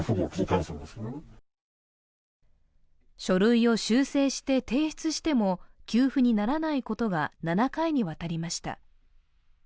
書類を修正して提出しても給付にならないことが７回にわたりました。